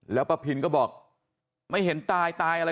แล้วป้าพินก็บอกไม่เห็นตายตายอะไร